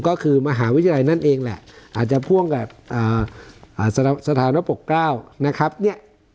ก็คือมหาวิทยาลัยนั่นเองแหละอาจจะพ่วงกับสถานปกเกล้านะครับเนี่ย